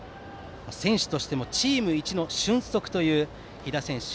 選手としてもチームいちの俊足という飛弾選手。